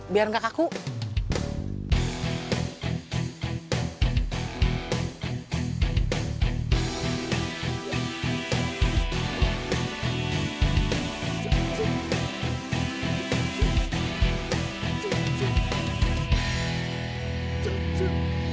biar gak kaku